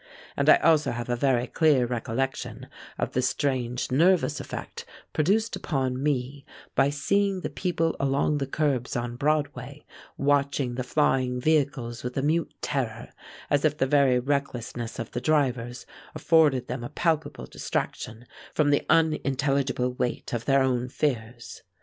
And I also have a very clear recollection of the strange nervous effect produced upon me by seeing the people along the curbs on Broadway watching the flying vehicles with a mute terror, as if the very recklessness of the drivers afforded them a palpable distraction from the unintelligible weight of their own fears.